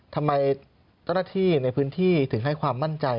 เจ้าหน้าที่ในพื้นที่ถึงให้ความมั่นใจ